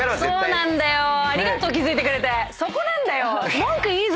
そうなんだよね。